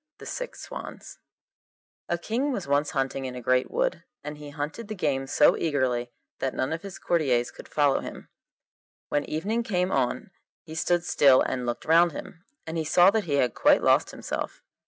THE SIX SWANS A king was once hunting in a great wood, and he hunted the game so eagerly that none of his courtiers could follow him. When evening came on he stood still and looked round him, and he saw that he had quite lost himself.